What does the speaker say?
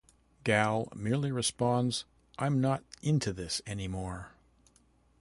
Gal merely responds, I'm not into this any more.